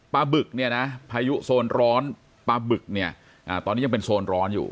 บึกเนี่ยนะพายุโซนร้อนปลาบึกเนี่ยตอนนี้ยังเป็นโซนร้อนอยู่